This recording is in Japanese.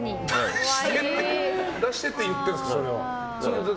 出してって言ってるんですか。